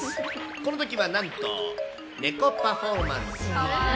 このときはなんと、猫パフォーマンスも。